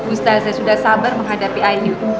ustazah sudah sabar menghadapi ayu